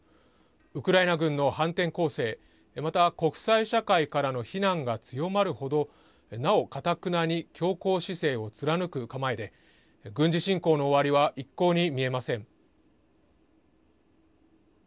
ウクライナ軍の反転攻勢、また国際社会からの非難が強まるほど、なおかたくなに強硬姿勢を貫く構えで、軍事侵攻の終わりは一向に見えません。